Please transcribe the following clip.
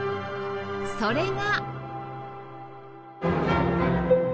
それが